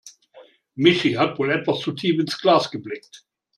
Michi hat wohl etwas zu tief ins Glas geblickt.